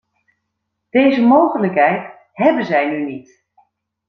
Deze mogelijkheid hebben zij nu niet.